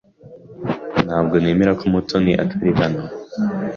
Ntabwo nemera ko Mutoni atari hano.